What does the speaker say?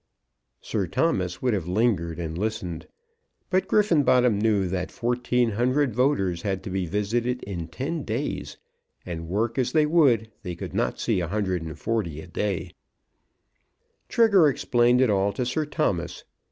Sir Thomas would have lingered and listened; but Griffenbottom knew that 1,400 voters had to be visited in ten days, and work as they would they could not see 140 a day. Trigger explained it all to Sir Thomas.